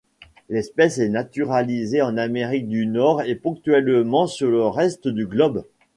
L'espèce est naturalisée en Amérique du Nord et ponctuellement sur le reste du globe.